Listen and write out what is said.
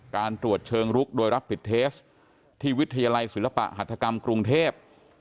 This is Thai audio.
ตรวจเชิงลุกโดยรับผิดเทสที่วิทยาลัยศิลปะหัฐกรรมกรุงเทพ